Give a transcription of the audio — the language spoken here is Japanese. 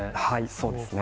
そうですね。